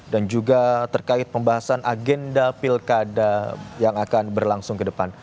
dan juga terkait pembahasan agenda pilkada yang akan berlangsung ke depan